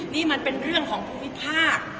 นี่มันเป็นเรื่องของภูมิภาค